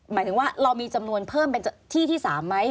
หมายถึงว่าเรามีจำนวนเพิ่มเป็นที่ที่๓ไหม